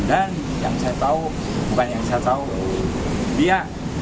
dan yang saya tahu bukan yang saya tahu dia